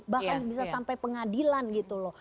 bahkan bisa sampai pengadilan gitu loh